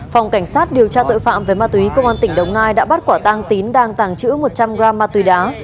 phòng cảnh sát điều tra tội phạm về ma túy công an tỉnh đồng nai đã bắt quả tang tín đang tàng trữ một trăm linh gram ma túy đá